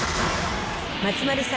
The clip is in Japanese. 松丸さん